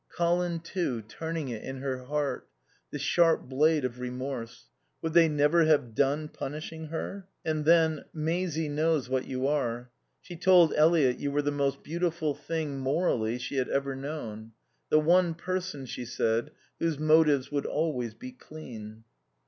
Colin, too, turning it in her heart, the sharp blade of remorse. Would they never have done punishing her? And then: "Maisie knows what you are. She told Eliot you were the most beautiful thing, morally, she had ever known. The one person, she said, whose motives would always be clean."